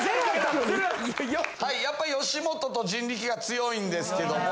やっぱり吉本と人力が強いんですけども。